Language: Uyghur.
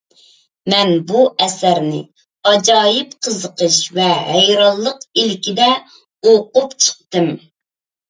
مەن بۇ ئەسەرنى ئاجايىپ قىزىقىش ۋە ھەيرانلىق ئىلكىدە ئوقۇپ چىقتىم.